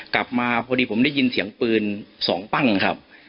กลับมาพอดีผมได้ยินเสียงปืน๒ปั้งครับ